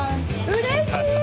うれしい！